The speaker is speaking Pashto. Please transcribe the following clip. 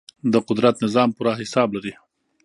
د قدرت نظام پوره حساب لري.